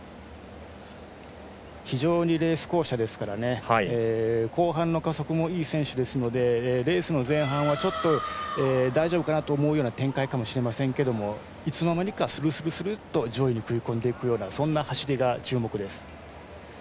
非常にレース巧者ですから後半の加速もいい選手ですのでレースの前半はちょっと大丈夫かなと思うような展開かもしれませんがいつの間にか、スルスルッと上位に食い込んでいくというようなそんな走りが注目です。